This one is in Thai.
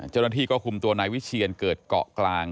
เจ้าหน้าที่ก็คุมตัวนายวิเชียนเกิดเกาะกลาง